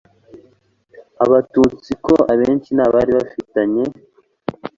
Abatutsi ko abenshi n abari bafitanye